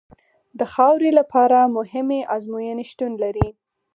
د خاورې لپاره مهمې ازموینې شتون لري